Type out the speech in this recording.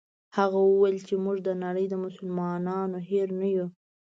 هغه وویل چې موږ د نړۍ د مسلمانانو هېر نه یو.